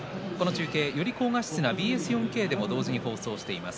より高画質なＢＳ４Ｋでも同時に放送しています。